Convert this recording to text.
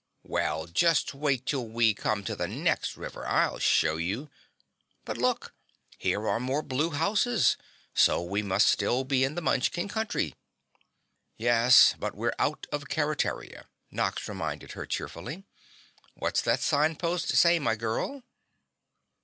"Well just wait till we come to the next river, I'll show you! But LOOK, here are more blue houses, so we must still be in the Munchkin Country." "Yes, but we're out of Keretaria," Nox reminded her cheerfully. "What's that signpost say, my girl?"